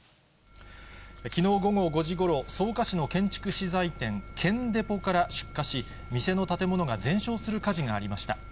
きのう午後５時ごろ、草加市の建築資材店、建デポから出火し、店の建物が全焼する火事がありました。